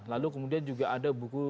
lalu kemudian juga ada buku